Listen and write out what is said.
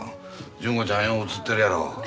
純子ちゃんよう写ってるやろ。